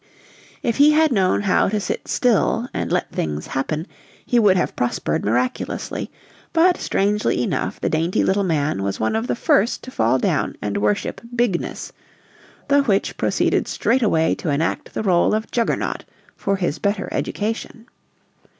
If he had known how to sit still and let things happen he would have prospered miraculously; but, strangely enough, the dainty little man was one of the first to fall down and worship Bigness, the which proceeded straightway to enact the role of Juggernaut for his better education.